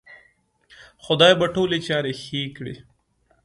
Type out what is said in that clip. خدای به ټولې چارې ښې کړې